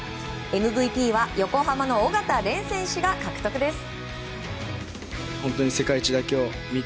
ＭＶＰは横浜の緒方漣選手が獲得です。